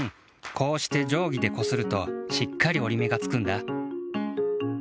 こうして定規でこするとしっかり折りめがつくんだ。